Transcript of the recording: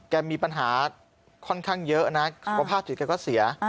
แกมีปัญหาค่อนข้างเยอะนะว่าภาพสิทธิ์แกก็เสีย